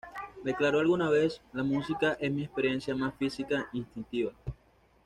Declaró alguna vez: "La música es mi experiencia más física, instintiva.